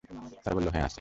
তারা বলল, হ্যাঁ আছে।